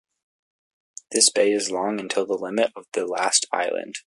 This bay is long until the limit of the last island.